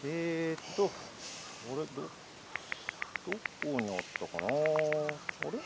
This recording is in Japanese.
どこにあったかなあれ？